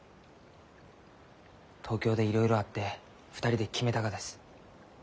東京でいろいろあって２人で決めたがです。